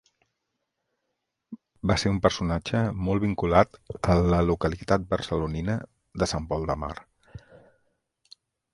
Va ser un personatge molt vinculat a la localitat barcelonina de Sant Pol de Mar.